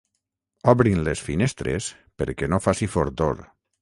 Obrin les finestres perquè no faci fortor.